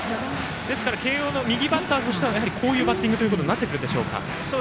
ですから慶応の右バッターとしてはこういうバッティングになりますか。